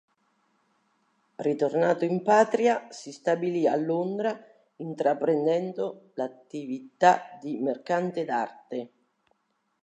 Ritornato in patria, si stabilì a Londra, intraprendendo l'attività di mercante d'arte.